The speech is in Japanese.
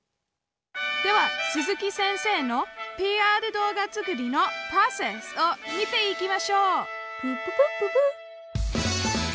では鈴木先生の「ＰＲ動画作りのプロセス」を見ていきましょう。